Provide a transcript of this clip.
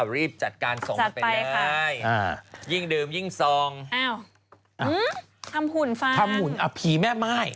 รีบจัดการส่งไปเลยยิ่งดื่มยิ่งส่องทำหุ่นฟังพี่แม่ไม่